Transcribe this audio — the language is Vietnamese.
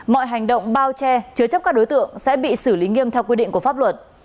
mọi hành động bao che chứa chấp các đối tượng sẽ bị xử lý nghiêm theo quy định của pháp luật